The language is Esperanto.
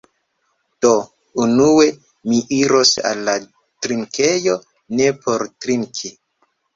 Do, unue mi iros al la drinkejo ne por drinki